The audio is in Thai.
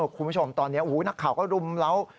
คุณผู้ชมตอนนี้นักข่าวก็รุมเล้า